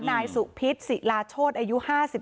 นายสุพิษศรีราชโชตอายุ๕๒